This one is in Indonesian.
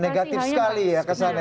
negatif sekali ya kesana ya